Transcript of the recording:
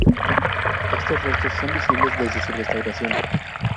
Estos restos son visibles desde su restauración.